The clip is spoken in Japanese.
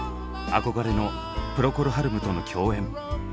憧れのプロコル・ハルムとの共演。